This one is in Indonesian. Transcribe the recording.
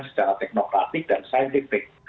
secara teknokratik dan saintifik